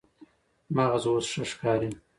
مغز اوس ښه ښکاري.